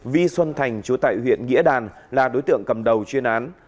vi xuân thành chú tại huyện nghĩa đàn là đối tượng cầm đầu chuyên án